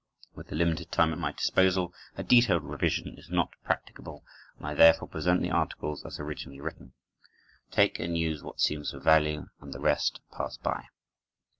With the limited time at my disposal, a detailed revision is not practicable, and I therefore present the articles as originally written. Take and use what seems of value, and the rest pass by.